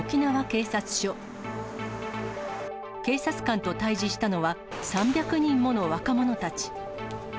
警察官と対じしたのは、３００人もの若者たち。